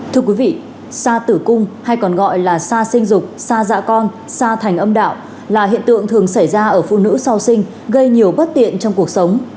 thưa quý vị sa tử cung hay còn gọi là sa sinh dục xa dạ con xa thành âm đạo là hiện tượng thường xảy ra ở phụ nữ sau sinh gây nhiều bất tiện trong cuộc sống